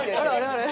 あれ？